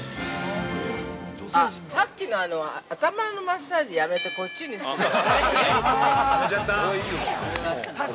◆あっ、さっきの頭のマッサージやめて、こっちにするわ。